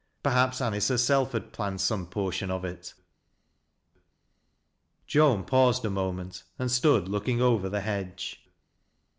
Perhaps Anice herself had planned some portion of it. Joan paused a moment and stood looking over the hedge.